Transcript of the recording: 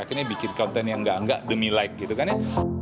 akhirnya bikin konten yang gak demi like gitu kan ya